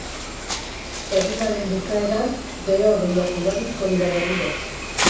Egunaren bukaeran behe-hodeiak ugarituko dira berriro.